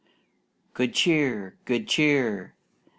"Good Cheer! Good Cheer!"